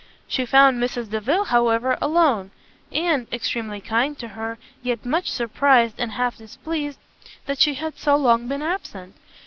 She found Mrs Delvile, however, alone; and, extremely kind to her, yet much surprised, and half displeased, that she had so long been absent.